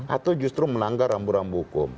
atau justru melanggar rambu rambu hukum